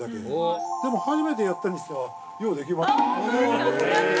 でも、初めてやったにしてはようできました。